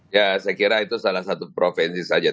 ya saya kira itu salah satu provinsi saja